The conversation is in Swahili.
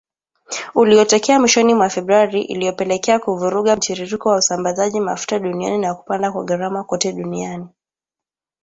Uliotokea mwishoni mwa Februari, iliyopelekea kuvuruga mtiririko wa usambazaji mafuta duniani na kupanda kwa gharama kote duniani.